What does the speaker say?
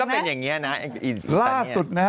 มันก็เป็นอย่างนี้นะ